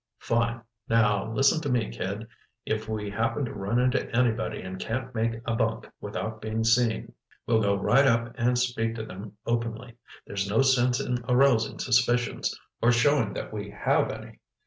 "Fine. Now, listen to me, kid. If we happen to run into anybody and can't make a bunk without being seen, we'll go right up and speak to them openly. There's no sense in arousing suspicions—or showing that we have any!